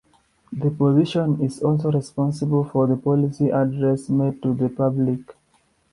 The position is also responsible for the policy address made to the public.